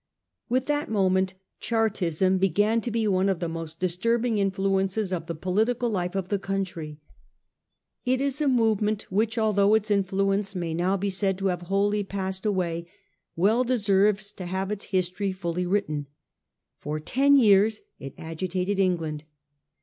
"With that moment Chartism began to be one of the most disturbing influences of the political life of the country. It is a movement which, although its in fluence may now be said to have wholly passed away, well deserves to have its history fully written. For ten years it agitated England.